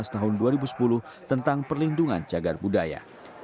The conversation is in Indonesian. tahun dua ribu sepuluh tentang perlindungan jagar budaya